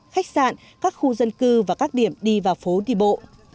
khách sạn các khu dân cư và các điểm đi vào phố đi bộ